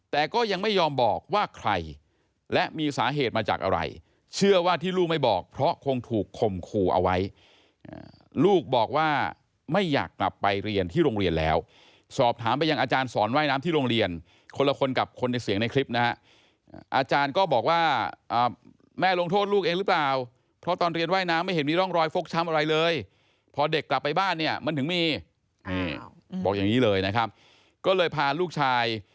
แต่ก็ยังไม่ยอมบอกว่าใครและมีสาเหตุมาจากอะไรเชื่อว่าที่ลูกไม่บอกเพราะคงถูกคมคู่เอาไว้ลูกบอกว่าไม่อยากกลับไปเรียนที่โรงเรียนแล้วสอบถามไปยังอาจารย์สอนว่ายน้ำที่โรงเรียนคนละคนกับคนในเสียงในคลิปนะอาจารย์ก็บอกว่าแม่ลงโทษลูกหรือเปล่าเพราะตอนเรียนว่ายน้ำไม่เห็นมีร่องรอยฟกช้ำอะไรเลย